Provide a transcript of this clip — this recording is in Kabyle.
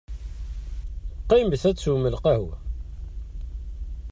Qqimet ad teswem lqahwa.